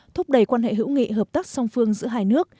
thúc đẩy quan hệ hữu nghị hợp tác song phương giữa hai nước